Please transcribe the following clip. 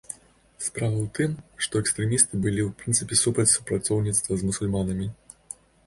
Справа ў тым, што экстрэмісты былі ў прынцыпе супраць супрацоўніцтва з мусульманамі.